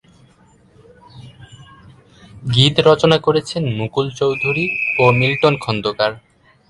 গীত রচনা করেছেন মুকুল চৌধুরী ও মিল্টন খন্দকার।